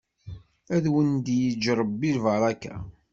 Ad wen-d-yeǧǧ Ṛebbi lbaṛaka.